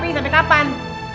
tapi sampai kapan